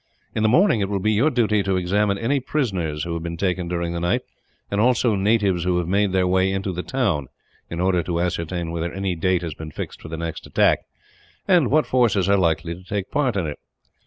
"In the morning it will be your duty to examine any prisoners who have been taken during the night, and also natives who have made their way into the town; in order to ascertain whether any date has been fixed for their next attack, and what forces are likely to take part in it.